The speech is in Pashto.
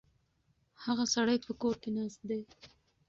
هغه سړی په کور کې ناست دی.